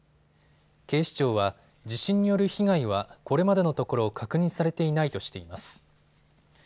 警視庁は、地震による被害はこれまでのところ確認されていないとしています。